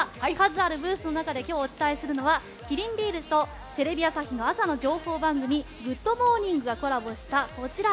数あるブースの中で今日お伝えするのはキリンビールとテレビ朝日の朝の情報番組「グッド！モーニング」がコラボした、こちら。